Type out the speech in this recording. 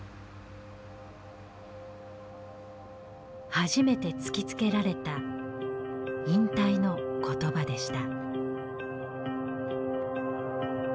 初めて突きつけられた「引退」の言葉でした。